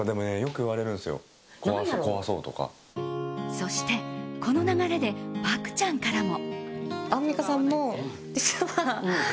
そして、この流れで漠ちゃんからも。